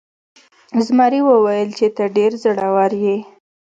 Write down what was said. زمري وویل چې ته ډیر زړور یې.